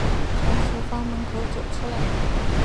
从厨房门口走出来